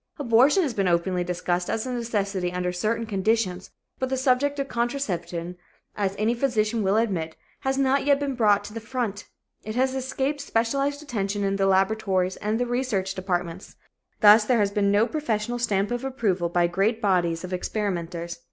Abortion has been openly discussed as a necessity under certain conditions, but the subject of contraception, as any physician will admit, has not yet been brought to the front. It has escaped specialized attention in the laboratories and the research departments. Thus there has been no professional stamp of approval by great bodies of experimenters.